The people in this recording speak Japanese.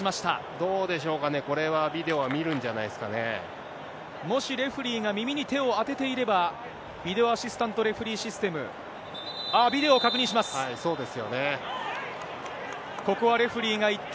どうでしょうかね、これはビもし、レフリーが耳に手を当てていれば、ビデオアシスタントレフリーシステム、ああ、ビデオを確認します。